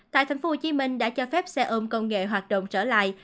tại tp hcm đã cho phép xe ôm công nghệ hoạt động trở lại